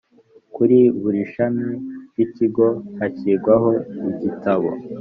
kuri buri shami ry ikigo hashyirwaho igitabo